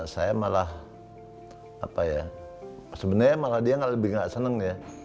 saya malah apa ya sebenernya malah dia lebih gak seneng ya